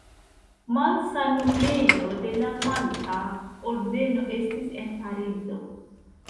Malsanulejo de la Malta Ordeno estis en Parizo.